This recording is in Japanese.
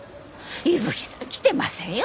伊吹さん来てませんよ